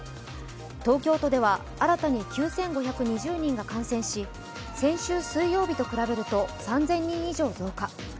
東京都では新たに９５２０人が感染し先週水曜日と比べると３０００人以上増加。